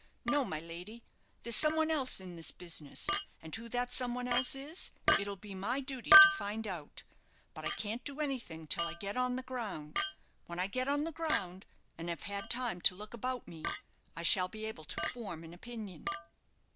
No, my lady, there's some one else in this business; and who that some one else is, it'll be my duty to find out. But I can't do anything till I get on the ground. When I get on the ground, and have had time to look about me, I shall be able to form an opinion."